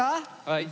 はい。